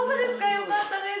よかったです！